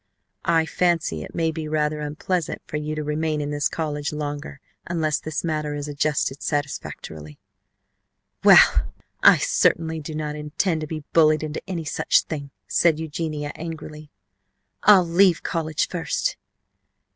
I fancy it may be rather unpleasant for you to remain in this college longer unless this matter is adjusted satisfactorily." "Well, I certainly do not intend to be bullied into any such thing!" said Eugenia angrily. "I'll leave college first!"